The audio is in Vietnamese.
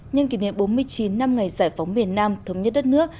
nhân kỷ niệm bốn mươi chín năm ngày giải phóng miền nam thống nhất đất nước